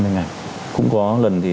cũng có lần thì đồng đội tôi bị chết